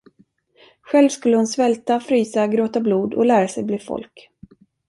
Själv skulle hon svälta, frysa, gråta blod och lära sig bli folk.